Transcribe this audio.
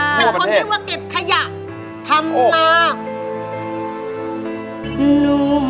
มันคนที่เก็บขยะทำงาน